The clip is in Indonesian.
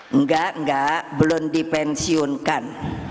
enggak enggak belum dipensiunkan